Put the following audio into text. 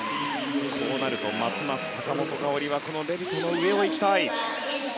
こうなると、ますます坂本花織はこのレビトの上をいきたい。